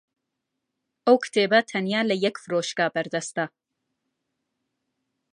ئەو کتێبە تەنیا لە یەک فرۆشگا بەردەستە.